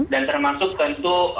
dan termasuk tentu